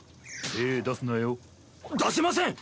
手出すなよ。出しません！